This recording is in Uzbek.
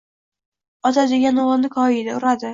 Ota degan o‘g‘lini koyiydi, uradi